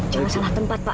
jangan salah tempat pak